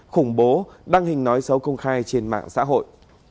khủng bố đăng hình nói xấu công khai trên mạng xã hội